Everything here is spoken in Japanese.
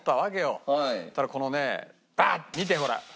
そしたらこのねバッと見てほら。